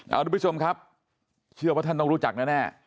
เอาทุกผู้ชมครับเชื่อว่าท่านต้องรู้จักแน่